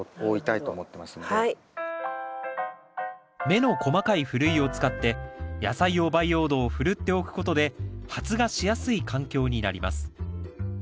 目の細かいふるいを使って野菜用培養土をふるっておくことで発芽しやすい環境になります。